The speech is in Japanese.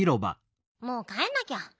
もうかえんなきゃ。